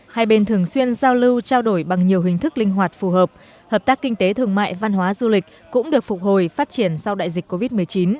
hai bên thường xuyên giao lưu trao đổi bằng nhiều hình thức linh hoạt phù hợp hợp tác kinh tế thương mại văn hóa du lịch cũng được phục hồi phát triển sau đại dịch covid một mươi chín